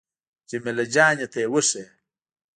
جمیله جانې ته يې وښيه.